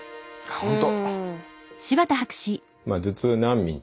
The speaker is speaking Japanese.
本当。